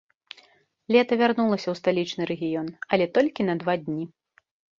Лета вярнулася ў сталічны рэгіён, але толькі на два дні.